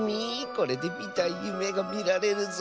これでみたいゆめがみられるぞ。